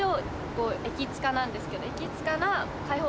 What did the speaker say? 駅近なんですけど。